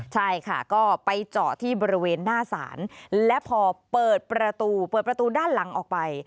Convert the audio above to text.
ใช่ค่ะก็ไปเจาะที่บริเวณหน้าศาลและพอเปิดประตูเปิดประตูด้านหลังออกไป